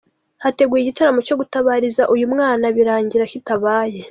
Hateguwe igitaramo cyo gutarabariza uyu mwana, birangira kitabaye.